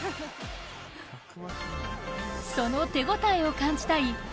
その手応えを感じたい